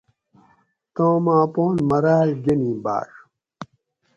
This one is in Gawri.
تامہ اپان مراۤل گنی باۤڄ